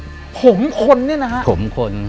อเจมส์ผงคนเนี่ยนะ